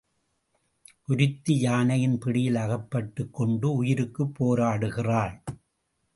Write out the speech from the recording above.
ஒருத்தி யானையின் பிடியில் அகப்பட்டுக் கொண்டு உயிருக்குப் போராடுகிறாள்.